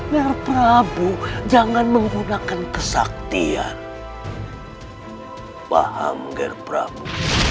biar prabu jangan menggunakan kesaktian paham ger prabu